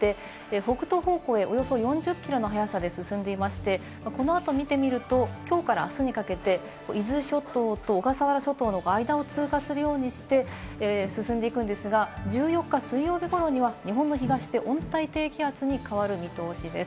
台風３号ですが現在、日本の南にあって北東方向へ、およそ４０キロの速さで進んでいまして、この後を見てみると、今日からあすにかけて伊豆諸島と小笠原諸島の間を通過するようにして進んでいくんですが、１４日、水曜日頃には日本の東で温帯低気圧に変わる見通しです。